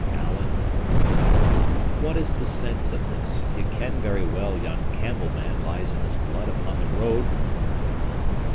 "Alan," said I, "what is the sense of this? Ye ken very well yon Campbell man lies in his blood upon the road."